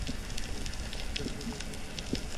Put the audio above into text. ওই ছোকরাটা এখানে এসেছিল কেন?